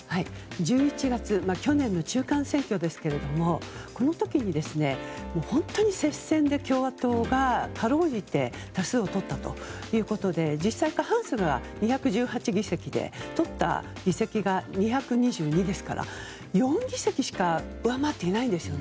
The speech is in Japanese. １１月去年の中間選挙ですがこの時に、本当に接戦で共和党が、かろうじて多数をとったということで実際、過半数が２１８議席でとった議席が２２２ですから、４議席しか上回っていないんですね。